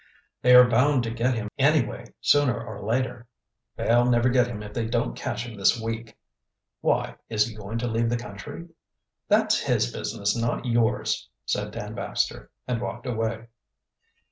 "They are bound to get him anyway, sooner or later." "They'll never get him if they don't catch him this week." "Why? Is he going to leave the country?" "That's his business, not yours," said Dan Baxter, and walked away.